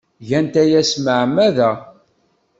Gant aya s tmeɛmada.